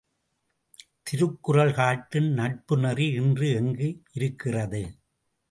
திருக்குறள் காட்டும் நட்புநெறி இன்று எங்கு இருக்கிறது?